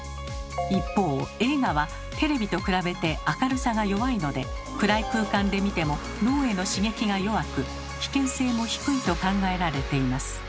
一方映画はテレビと比べて明るさが弱いので暗い空間で見ても脳への刺激が弱く危険性も低いと考えられています。